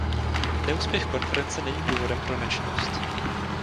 Neúspěch konference není důvodem pro nečinnost.